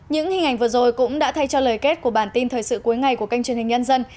những hình ảnh vừa rồi cũng đã thay cho lời kết của bản tin thời sự cuối ngày của kênh truyền hình nhân dân